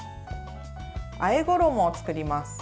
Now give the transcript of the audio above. あえ衣を作ります。